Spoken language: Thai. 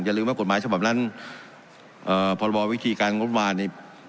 อย่าลืมว่ากฎหมายฉภาพนั้นเอ่อพบวิธีการงบมานี่